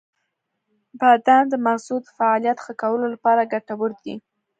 • بادام د مغزو د فعالیت ښه کولو لپاره ګټور دی.